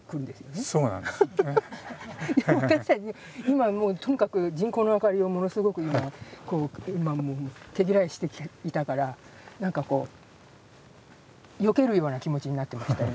今はもうとにかく人工の明かりをものすごく今毛嫌いしていたから何かこうよけるような気持ちになってました